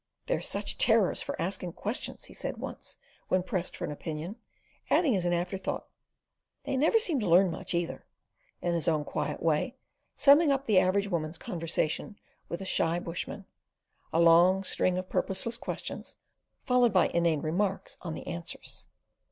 "They're such terrors for asking questions," he said once, when pressed for an opinion, adding as an afterthought, "They never seem to learn much either," in his own quiet way, summing up the average woman's conversation with a shy bushman: a long string of purposeless questions, followed by inane remarks on the answers.